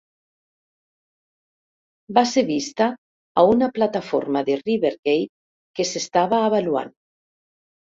Va ser vista a una plataforma de RiverGate que s'estava avaluant.